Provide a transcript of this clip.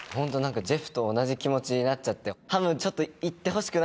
ジェフと同じ気持ちになっちゃって。